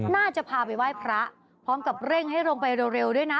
น่าจะพาไปไหว้พระพร้อมกับเร่งให้ลงไปเร็วด้วยนะ